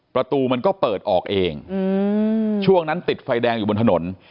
ประตูมันก็เปิดออกเองช่วงนั้นติดไฟแดงอยู่บนถนน